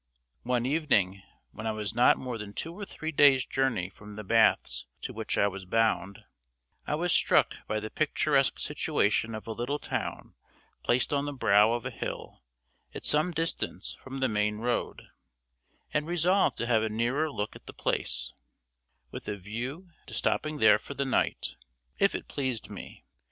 One evening, when I was not more than two or three days' journey from the baths to which I was bound, I was struck by the picturesque situation of a little town placed on the brow of a hill at some distance from the main road, and resolved to have a nearer look at the place, with a view to stopping there for the night, if it pleased me.